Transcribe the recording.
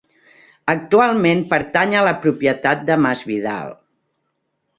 Actualment pertany a la propietat de Masvidal.